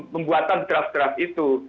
pembuatan draft draft itu